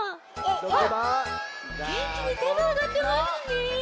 げんきにてもあがってますね。